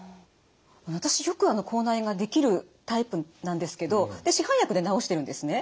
私よく口内炎ができるタイプなんですけど市販薬で治してるんですね。